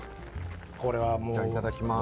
これはもういただきます。